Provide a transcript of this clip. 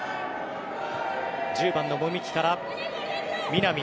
１０番の籾木から南。